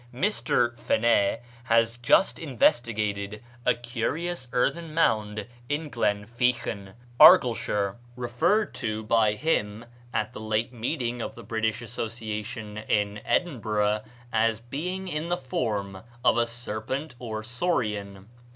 Mr. Phené has just investigated a curious earthen mound in Glen Feechan, Argyleshire, referred to by him, at the late meeting of the British Association in Edinburgh, as being in the form of a serpent or saurian.